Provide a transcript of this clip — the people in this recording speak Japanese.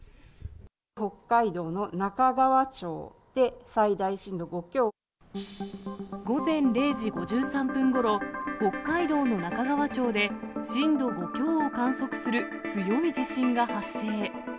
北海道の中川町で最大震度５午前０時５３分ごろ、北海道の中川町で震度５強を観測する強い地震が発生。